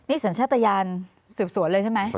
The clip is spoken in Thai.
นี่สัญชาติยานสืบสวนเลยใช่ไหม